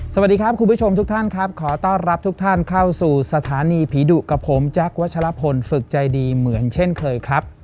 สวัสดีครับคุณผู้ชมทุกท่านครับขอต้อนรับทุกท่านเข้าสู่สถานีผีดุกับผมแจ๊ควัชลพลฝึกใจดีเหมือนเช่นเคยครับ